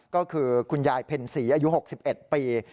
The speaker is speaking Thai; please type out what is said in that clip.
ก็คือคุณยายเพ็ญศรีอายุ๖๑ปี